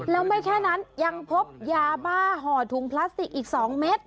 แล้วไม่แค่นั้นยังพบยาบ้าห่อถุงพลาสติกอีก๒เม็ด